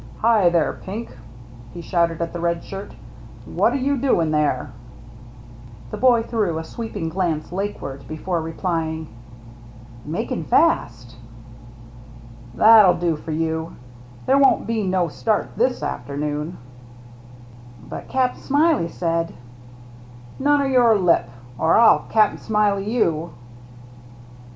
" Hi there. Pink," he shouted at the red shirt, "what you doin' there?" The boy threw a sweeping glance lake ward before replying, " Makin' fast." "That'll do for you. There won't be no start this afternoon." DICK AND HIS MERRT ANNE 19 "But Cap' Smiley said —"" None o' your lip, or Y\\ Cap* Smiley you."